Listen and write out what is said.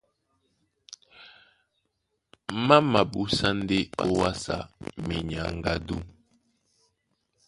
Má mabúsá ndé ówàsá minyáŋgádú.